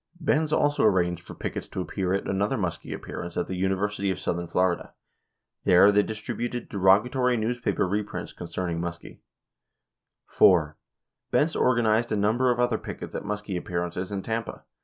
Benz also arranged for pickets to appear at another Muskie ap pearance at the University of Southern Florida. There they distrib uted derogatory newspaper reprints concerning Muskie. 9 4. Benz organized a number of other pickets at Muskie appearances in Tampa.